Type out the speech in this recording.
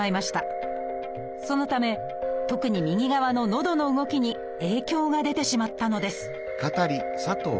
そのため特に右側ののどの動きに影響が出てしまったのです